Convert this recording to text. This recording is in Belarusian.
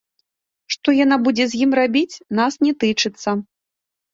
Што яна будзе з ім рабіць, нас не тычыцца.